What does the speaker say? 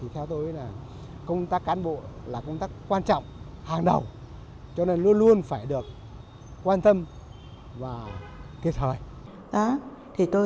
theo tôi công tác cán bộ là công tác quan trọng hàng đầu cho nên luôn luôn phải được quan tâm và kịp thời